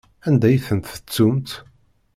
Anda i tent-tettum?